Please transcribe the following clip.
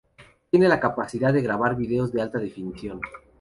Tiene la capacidad de grabar vídeos de alta definición.